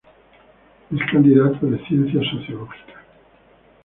Es candidato de Ciencias Sociológicas.